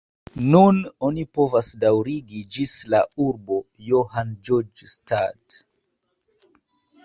Nun oni povas daŭrigi ĝis la urbo Johann-Geogen-Stadt.